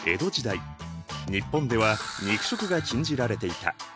日本では肉食が禁じられていた。